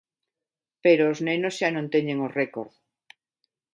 Pero os nenos xa non teñen o récord.